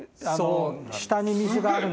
下に水があるので。